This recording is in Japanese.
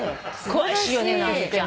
詳しいよね直美ちゃん。